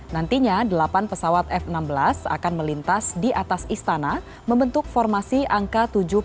nantinya delapan pesawat f enam belas akan melintas di atas istana membentuk formasi angka tujuh puluh empat